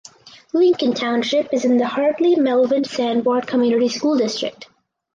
Lincoln Township is in the Hartley–Melvin–Sanborn Community School District.